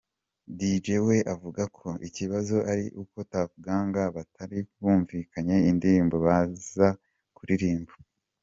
Dj we avuga ko ikibazo ari uko Tuff Gang batari bumvikanye indirimbo baza kuririmba….